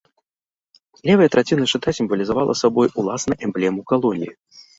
Левая траціна шчыта сімвалізавала сабой уласна эмблему калоніі.